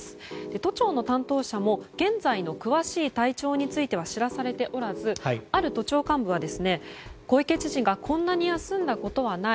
都庁の担当者も現在の詳しい体調については知らされておらずある都庁幹部は小池知事がこんなに休んだことはない。